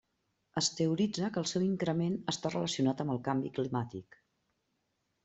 Es teoritza que el seu increment està relacionat amb el canvi climàtic.